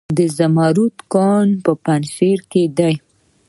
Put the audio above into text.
د زمرد کان په پنجشیر کې دی